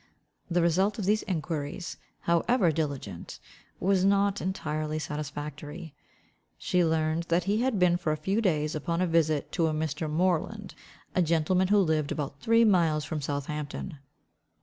The result of these enquiries, however diligent, was not entirely satisfactory. She learned that he had been for a few days upon a visit to a Mr. Moreland, a gentleman who lived about three miles from Southampton.